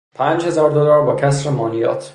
پنج هزار دلار با کسر مالیات